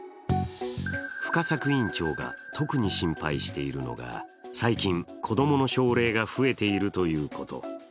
深作院長が特に心配しているのが最近、子供の症例が増えているということ。